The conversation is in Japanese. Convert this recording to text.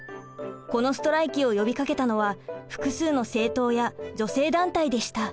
このストライキを呼びかけたのは複数の政党や女性団体でした。